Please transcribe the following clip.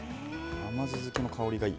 甘酢漬けの香りがいい。